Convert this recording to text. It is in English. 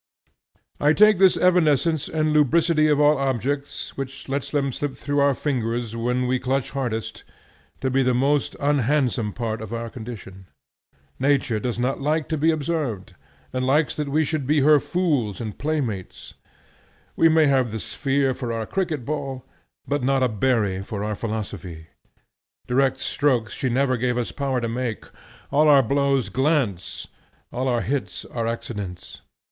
I take this evanescence and lubricity of all objects, which lets them slip through our fingers then when we clutch hardest, to be the most unhandsome part of our condition. Nature does not like to be observed, and likes that we should be her fools and playmates. We may have the sphere for our cricket ball, but not a berry for our philosophy. Direct strokes she never gave us power to make; all our blows glance, all our hits are accidents.